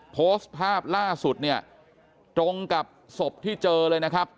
โพสต์ภาพล่าสุดเนี่ยตรงกับศพที่เจอเลยนะครับ